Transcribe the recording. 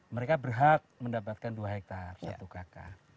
mereka berhak mendapatkan dua hektare satu kakak